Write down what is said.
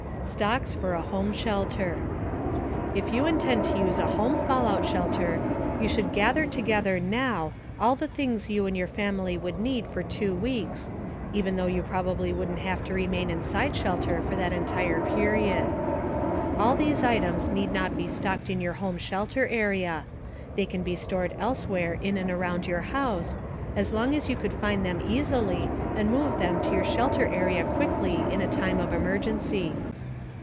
STOCKS FOR A HOME SHELTER If you intend to use a home fallout shelter, you should gather together now all the things you and your family would need for 2 weeks, even though you probably wouldn't have to remain inside shelter for that entire period. All these items need not be stocked in your home shelter area. They can be stored elsewhere in or around your house, as long as you could find them easily and move them to your shelter area quickly in a time of emergency.